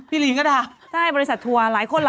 พี่ลิงก็ได้อ่ะใช่บริษัททัวร์หลายคน